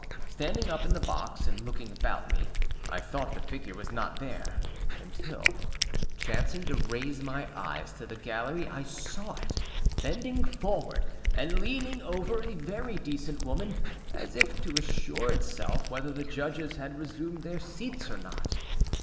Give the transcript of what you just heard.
Standing up in the box and looking about me, I thought the figure was not there, until, chancing to raise my eyes to the gallery, I saw it bending forward, and leaning over a very decent woman, as if to assure itself whether the Judges had resumed their seats or not.